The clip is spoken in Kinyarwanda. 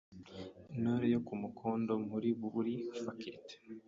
Intore yo ku mukondo muri buri faculty;